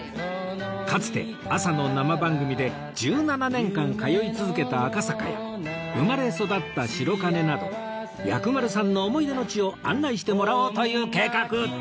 かつて朝の生番組で１７年間通い続けた赤坂や生まれ育った白金など薬丸さんの思い出の地を案内してもらおうという計画